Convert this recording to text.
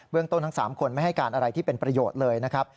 เรื่องต้นทั้ง๓คนไม่ให้การอะไรที่เป็นประโยชน์เลยนะครับ